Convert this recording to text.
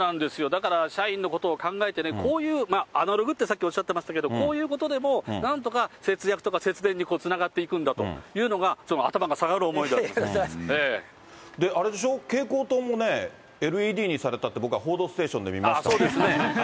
だから社員のことを考えてね、こういうアナログって、さっきおっしゃっていましたけれども、こういうことでもなんとか節約とか節電につながっていくんだというのが、あれでしょ、蛍光灯もね、ＬＥＤにされたって、そうですね。